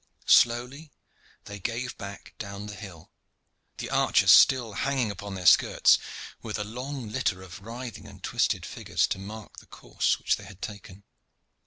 Slowly they gave back down the hill, the archers still hanging upon their skirts, with a long litter of writhing and twisted figures to mark the course which they had taken.